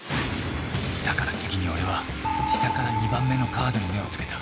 だから次に俺は下から２番目のカードに目を付けた。